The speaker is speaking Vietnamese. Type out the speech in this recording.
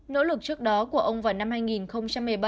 nỗ lực trước đó của ông vào năm hai nghìn một mươi bảy